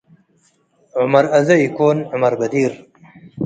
ዑመር አዜ ኢኮን ዑመር በዲር